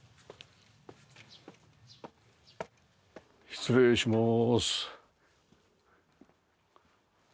失礼しまーす。